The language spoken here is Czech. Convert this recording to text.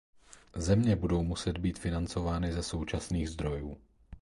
Zřejmě budou muset být financovány ze současných zdrojů.